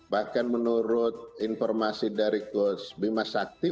bahkan menurut informasi dari coach bima sakti